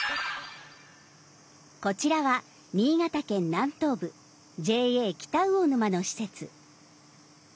こちらは新潟県南東部ＪＡ北魚沼の施設。